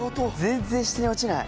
全然下に落ちない。